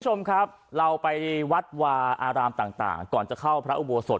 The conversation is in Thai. คุณผู้ชมครับเราไปวัดวาอารามต่างก่อนจะเข้าพระอุโบสถ